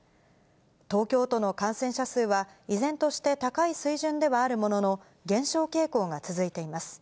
東京都の感染者数は、依然として高い水準ではあるものの、減少傾向が続いています。